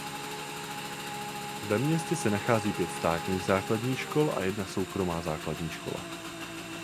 Ve městě se nachází pět státních základních škol a jedna soukromá základní škola.